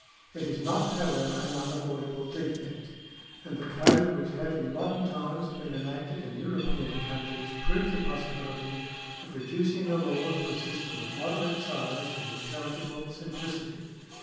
It is not, however, an unavoidable defect, and the codes which have in modern times been enacted in European countries prove the possibility of reducing the law to a system of moderate size and intelligible simplicity.